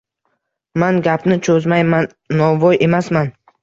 Man gapni cho’zmayman, novvoy emasman